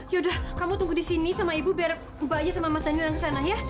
yaudah kamu tunggu di sini sama ibu biar mbak aja sama mas daniel datang kesana ya